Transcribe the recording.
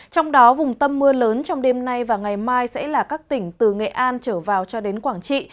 trong đó vùng tâm mưa lớn trong đêm nay và ngày mai sẽ là các tỉnh từ nghệ an trở vào cho đến quảng trị